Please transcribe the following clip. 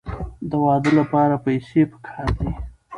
د واده لپاره پیسې پکار دي.